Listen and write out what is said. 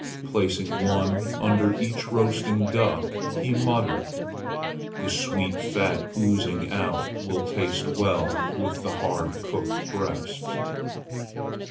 Placing one under each roasting duck, he muttered, "The sweet fat oozing out will taste well with the hard cooked breasts."